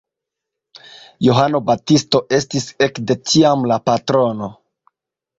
Johano Baptisto estis ekde tiam la patrono.